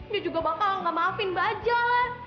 dia juga bakal gak maafin bajie lah